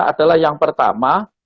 adalah yang pertama